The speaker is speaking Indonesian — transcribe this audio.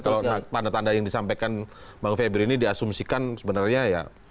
kalau tanda tanda yang disampaikan bang fikri ini diasumsikan sebenarnya ya tentu ingin